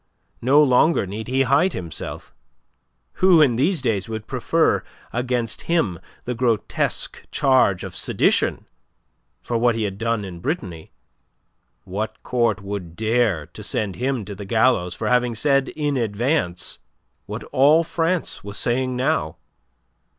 No longer need he hide himself. Who in these days would prefer against him the grotesque charge of sedition for what he had done in Brittany? What court would dare to send him to the gallows for having said in advance what all France was saying now?